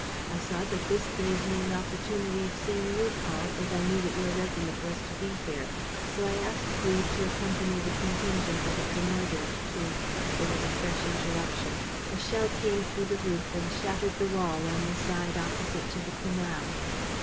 I saw that this gave me an opportunity of seeing you, Paul, as I knew that your regiment was to be here. So I asked leave to accompany the contingent that had been ordered to. ..." There was a fresh interruption. A shell came through the roof and shattered the wall on the side opposite to the canal.